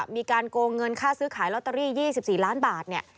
มีการโกงเงินค่าซื้อขายลอตเตอรี่๒๔ล้านบาท